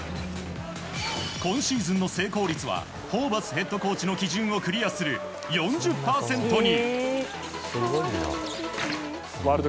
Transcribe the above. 今シーズンの成功率はホーバスヘッドコーチの基準をクリアする４０％に。